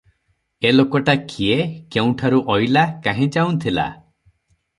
ଏ ଲୋକଟା କିଏ, କେଉଁଠାରୁ ଅଇଲା, କାହିଁ ଯାଉଁଥିଲା?